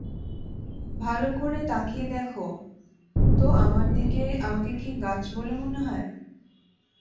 ভালো করে তাকিয়ে দেখ তো আমার দিকে, আমাকে কি গাছ বলে মনে হয়?